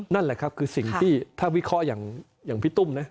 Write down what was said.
นั่นแหละครับคือสิ่งที่ถ้าวิเคราะห์อย่างพี่ตุ้มนะ